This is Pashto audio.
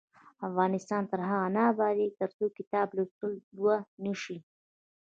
افغانستان تر هغو نه ابادیږي، ترڅو کتاب لوستل دود نشي.